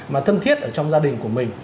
mà thân thiết ở trong gia đình của mình